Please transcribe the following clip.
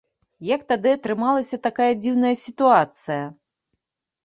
Як тады атрымалася такая дзіўная сітуацыя?